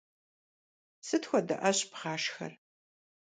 Сыт хуэдэ ӏэщ бгъашхэр?